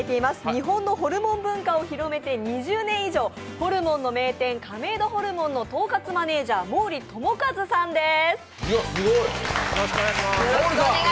日本のホルモン文化を広めて２０年以上ホルモンの名店、亀戸ホルモンの統括マネージャー毛利友一さんです。